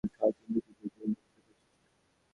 কিন্তু তুই তো ইদানিং ঘুমোতে পারছিস না।